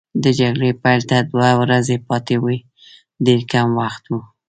د جګړې پیل ته دوه ورځې پاتې وې، ډېر کم وخت وو.